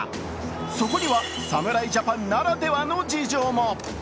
そこには侍ジャパンならではの事情も。